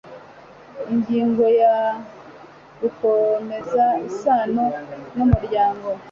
ingingo ya gukomeza isano n umuryango